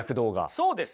そうです。